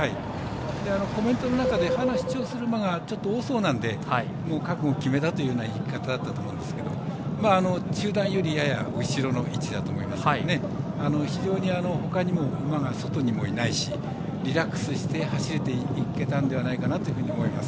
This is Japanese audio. コメントの中でハナを主張する馬がちょっと多そうなんで覚悟を決めたというような言い方だったと思うんですけど中団よりやや後ろの位置だと思いますけど非常に他にも馬が外にもいないしリラックスして走れていけたんではないかなというふうに思います。